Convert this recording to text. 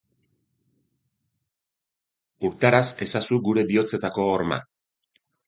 Urtaraz ezazu gure bihotzetako horma.